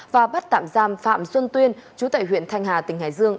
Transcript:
và bắt tạm giam phạm xuân tuyên chú tải huyện thanh hà tỉnh hải dương